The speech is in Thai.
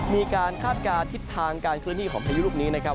คาดการณ์ทิศทางการเคลื่อนที่ของพายุลูกนี้นะครับ